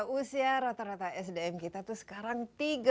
usia rata rata sdm kita tuh sangat muda